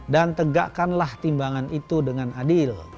dan tegakkanlah timbangan itu dengan adil